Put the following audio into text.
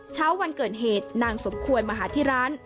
เช้าวันเกิดเหตุนางสมควรมาหาที่ร้าน